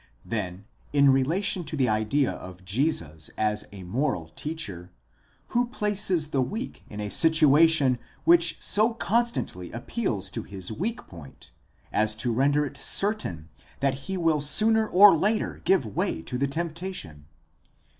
Then, in relation to the idea of Jesus as a moral teacher, who places the weak in a situation which so constantly appeals to his weak point, as to render it certain that he will sooner or later give way to the temptation?